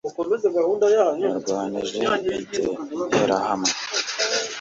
yarwanije interahamwe